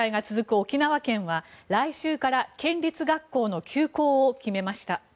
沖縄県は来週から県立学校の休校を決めました。